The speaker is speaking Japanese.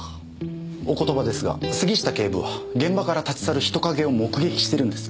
お言葉ですが杉下警部は現場から立ち去る人影を目撃してるんです。